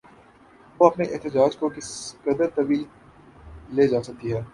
وہ اپنے احتجاج کو کس قدر طویل لے جا سکتی ہے؟